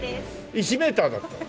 １メーターだったら？